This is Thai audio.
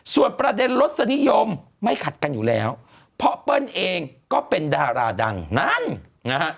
ส่วนประเด็นรสนิยมไม่ขัดกันอยู่แล้วเพราะเปิ้ลเองก็เป็นดาราดังนั้นนะฮะ